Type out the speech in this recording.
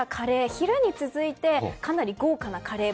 昼に続いてかなり豪華なカレー。